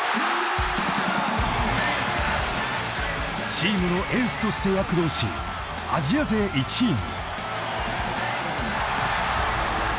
［チームのエースとして躍動しアジア勢１位に］